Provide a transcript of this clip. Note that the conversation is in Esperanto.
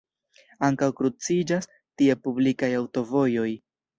Ankaŭ kruciĝas tie publikaj aŭtovojoj.